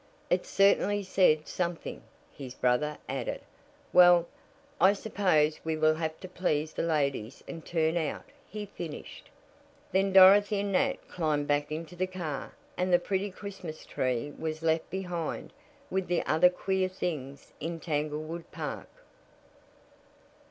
"It certainly said some thing," his brother added. "Well, I suppose we will have to please the ladies and turn out," he finished. Then Dorothy and Nat climbed back into the car, and the pretty Christmas tree was left behind with the other queer things in Tanglewood Park.